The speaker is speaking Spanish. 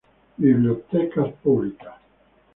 Bibliotecas Públicas